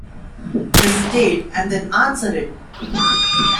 Hesitate, and then answer it.